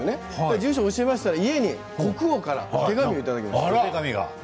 住所を教えましたら家に国王から手紙をいただきました。